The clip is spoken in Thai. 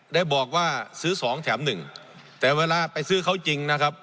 ได้บอกว่าซื้อสองแถมหนึ่งแต่เวลาไปซื้อเขาจริงนะครับ